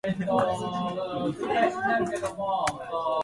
It consists of heritage farms and million dollar estate properties.